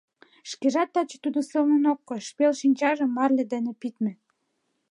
Шкежат таче тудо сылнын ок кой, пел шинчажым марле дене пидме.